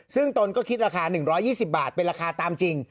ซึ่งตนก็คิดราคา๑๒๐บาทเป็นราคาตามจริง